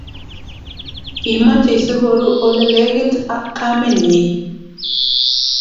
Kimachei sikoru ole lekit ak kamenyi